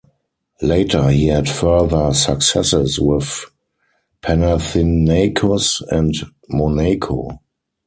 Later he had further successes with Panathinaikos and Monaco.